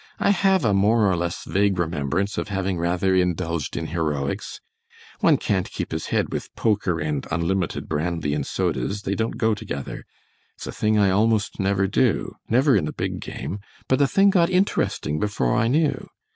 I have a more or less vague remembrance of having rather indulged in heroics. One can't keep his head with poker and unlimited brandy and sodas; they don't go together. It's a thing I almost never do; never in a big game, but the thing got interesting before I knew.